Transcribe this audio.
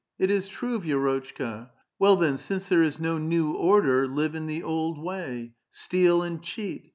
It is true, Vi6ix)tchka. Well, , then, since there is no new order, live in the old way; steal and cheat.